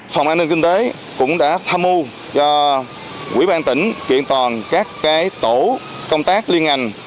phòng an ninh kinh tế cũng đã tham mưu cho quỹ ban tỉnh kiện toàn các tổ công tác liên ngành